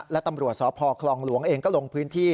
และตำรวจสพคลองหลวงเองก็ลงพื้นที่